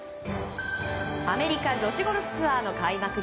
アメリカ女子ゴルフツアーの開幕